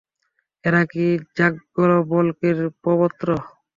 এরা কি যাজ্ঞবল্ক্যের প্রপৌত্র?